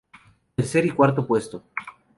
Tercer y Cuarto puesto.